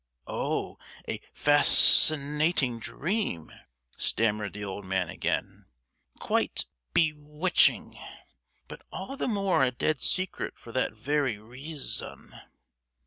"Oh, a fas—cinating dream," stammered the old man again, "quite be—witching, but all the more a dead secret for that very reas—on."